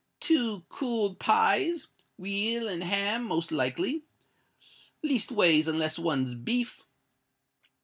Two could pies—weal and ham most likely—leastways, unless one's beef.